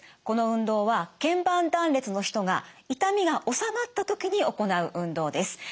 この運動は腱板断裂の人が痛みが治まった時に行う運動です。